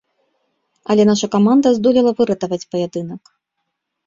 Але наша каманда здолела выратаваць паядынак.